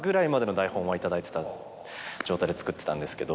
頂いてた状態で作ってたんですけど。